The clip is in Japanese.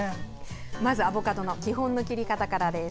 まずアボカドの基本の切り方からです。